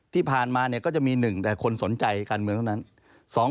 ที่ผ่านมาก็จะมีหนึ่งคนสนใจการเมืองคุณนั้น